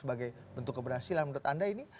sebagai bentuk keberhasilan menurut anda ini